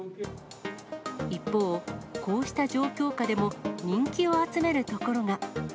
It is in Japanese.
一方、こうした状況下でも、人気を集めるところが。